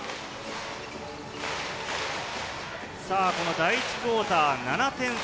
第１クオーター、７点差。